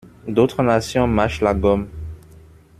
D’autres nations mâchent la gomme.